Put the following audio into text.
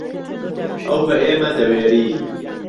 ئهو به ئێمه دهوێري